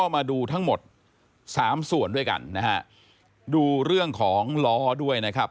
สามส่วนด้วยกันนะฮะดูเรื่องของล้อด้วยนะครับ